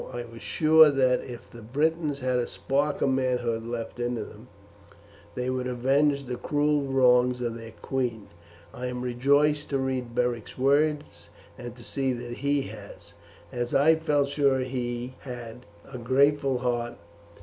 I was sure that if the Britons had a spark of manhood left in them they would avenge the cruel wrongs of their queen. I am rejoiced to read Beric's words, and to see that he has, as I felt sure he had, a grateful heart.